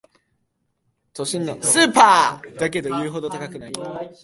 都心のスーパーだけど言うほど高くない